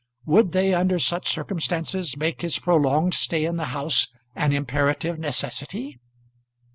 Would they under such circumstances make his prolonged stay in the house an imperative necessity?